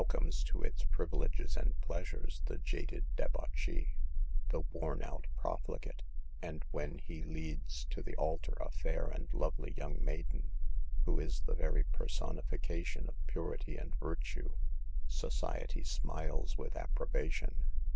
29 comes to its privileges and pleasures the jaded debauchee, the worn out profligate, and when he leads to the altar a fair and lovely young maiden, who is the very personification of purity and virtue, society smiles with approba tion.